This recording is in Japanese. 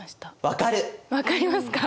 分かりますか？